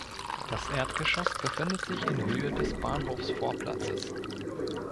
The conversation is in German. Das Erdgeschoss befindet sich in Höhe des Bahnhofsvorplatzes.